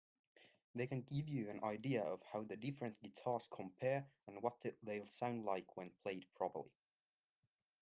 They can give you an idea of how the different guitars compare and what they'll sound like when played properly.